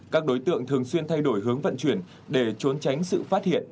các đối tượng thường xuyên thay đổi hướng vận chuyển để trốn tránh sự phát hiện